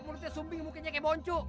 menurutnya sumbing mukanya kayak boncuk